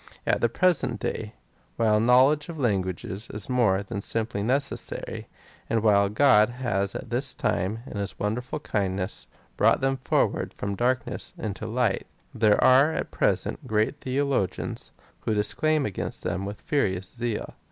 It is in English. At the present day, while a knowledge of languages is more than simply necessary, and while Grodhas at this time, in his wonderful kindness, brought them forward from darkness into light, there are at present great theologians, who declaim against them with furious zeal.